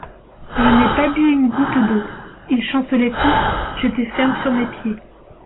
Je n'ai pas bu une goutte d'eau ; ils chancelaient tous, j'étais ferme sur mes pieds.